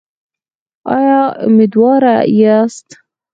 ایا امیدواره یاست؟